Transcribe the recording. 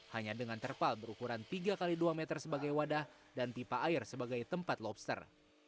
hanya dengan terpal berukuran tiga x dua meter sebagai wadah dan pipa air sebagai tempat lobster